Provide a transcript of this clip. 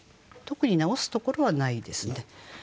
特に直すところはないですね。